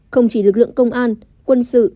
không chỉ lực lượng công an quân sự